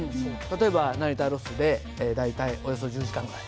例えば成田ロスで大体およそ１０時間ぐらい。